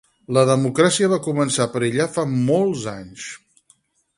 La democràcia va començar a perillar fa molts anys.